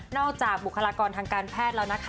จากบุคลากรทางการแพทย์แล้วนะคะ